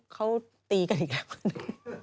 เขาตีกันอีกแล้ว